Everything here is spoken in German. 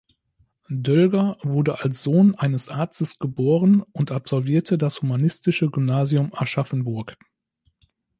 Dölger wurde als Sohn eines Arztes geboren und absolvierte das Humanistische Gymnasium Aschaffenburg.